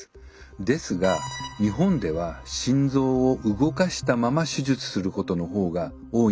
ですが日本では心臓を動かしたまま手術することの方が多いんです。